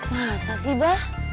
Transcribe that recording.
masa sih bah